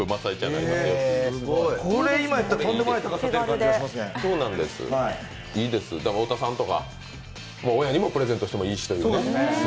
だから太田さんとか、親にもプレゼントしてもいいしというね。